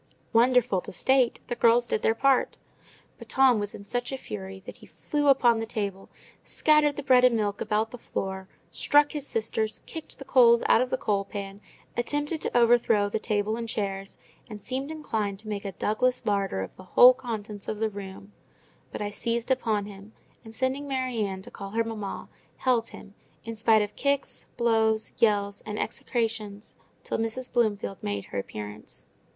Wonderful to state, the girls did their part; but Tom was in such a fury that he flew upon the table, scattered the bread and milk about the floor, struck his sisters, kicked the coals out of the coal pan, attempted to overthrow the table and chairs, and seemed inclined to make a Douglas larder of the whole contents of the room: but I seized upon him, and, sending Mary Ann to call her mamma, held him, in spite of kicks, blows, yells, and execrations, till Mrs. Bloomfield made her appearance.